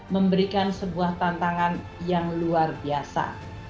memberikan sebuah tantangan yang luar biasa